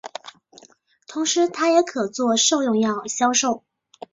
同时它也可作兽用药销售。